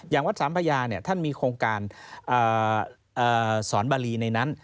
วัดสามพญาท่านมีโครงการสอนบารีในนั้น